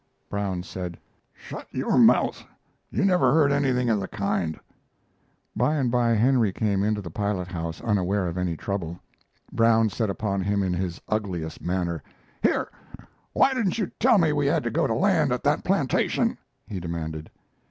Brown said: "Shut your mouth! You never heard anything of the kind." By and by Henry came into the pilot house, unaware of any trouble. Brown set upon him in his ugliest manner. "Here, why didn't you tell me we had got to land at that plantation?" he demanded.